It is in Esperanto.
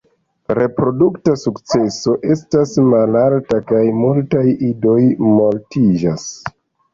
Reprodukta sukceso estas malalta kaj multaj idoj mortiĝas.